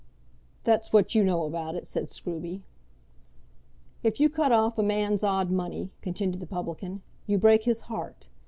"That's what you know about it," said Scruby. "If you cut off a man's odd money," continued the publican, "you break his heart.